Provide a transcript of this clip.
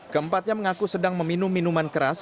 keempatnya mengaku sedang meminum minuman keras